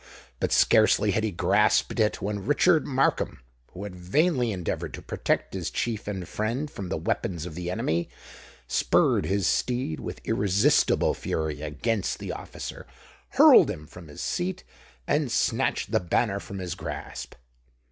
But scarcely had he grasped it, when Richard Markham, who had vainly endeavoured to protect his chief and friend from the weapons of the enemy, spurred his steed with irresistible fury against the officer, hurled him from his seat, and snatched the banner from his grasp.